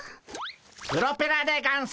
プロペラでゴンス。